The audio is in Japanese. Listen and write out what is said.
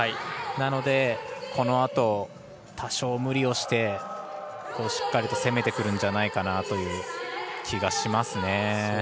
なので、このあと多少無理をしてしっかりと攻めてくるんじゃないかなという気がしますね。